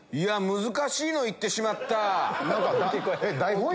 難しいのいってしまった！